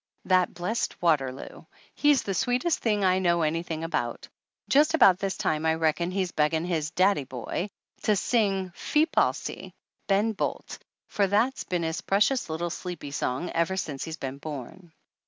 That blessed Waterloo! He's the sweetest thing I know anything about ! Just about this time I reckon he's begging his "Daddy boy" to sing Feep Alsie, Ben Bolt, for that's been his precious little sleepy song ever since he's been born.